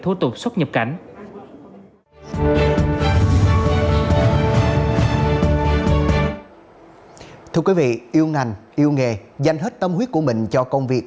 thủ tục xuất nhập cảnh thưa quý vị yêu ngành yêu nghề dành hết tâm huyết của mình cho công việc